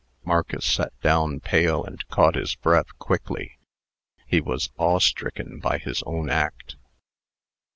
Marc as sat down, pale, and caught his breath quickly. He was awestricken by his own act.